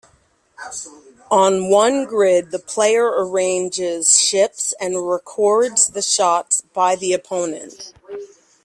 On one grid the player arranges ships and records the shots by the opponent.